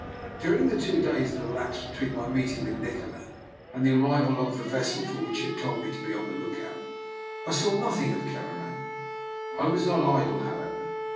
During the two days that elapsed between my meeting with Nikola and the arrival of the vessel for which he had told me to be on the look out, I saw nothing of Kelleran. I was not idle, however.